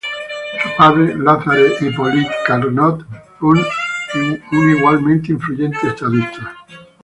Su padre, Lazare Hippolyte Carnot, fue un igualmente influyente estadista.